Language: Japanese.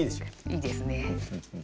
いいですね。